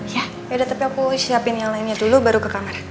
ya beda tapi aku siapin yang lainnya dulu baru ke kamar